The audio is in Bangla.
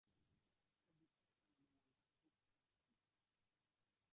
একটা বিশেষ কারণে মনটা খুব খারাপ ছিল।